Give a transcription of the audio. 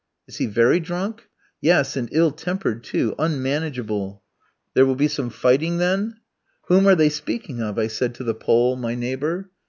"Is he very drunk?" "Yes, and ill tempered too unmanageable." "There will be some fighting, then?" "Whom are they speaking of?" I said to the Pole, my neighbour.